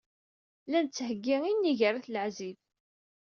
La nettheggi inig ar At Leɛzib.